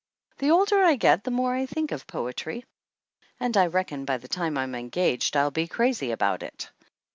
The older I get the more I think of poetry and I reckon by the time I'm engaged I'll be crazy about it!